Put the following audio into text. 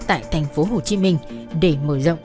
tại thành phố hồ chí minh để mở rộng